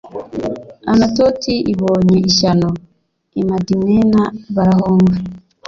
Anatoti ibonye ishyano, i Madimena barahunga,